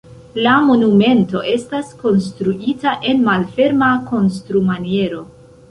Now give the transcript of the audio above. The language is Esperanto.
La monumento estas konstruita en malferma konstrumaniero.